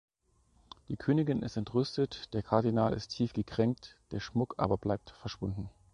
Die Königin ist entrüstet, der Kardinal ist tief gekränkt, der Schmuck aber bleibt verschwunden.